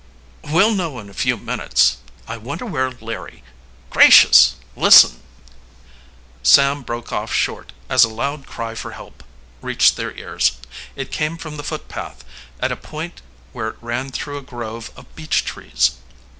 "We'll know in a few minutes. I wonder where Larry Gracious, listen!" Sam broke off short, as a loud cry for help reached their ears. It came from the footpath, at a point where it ran through a grove of beech trees.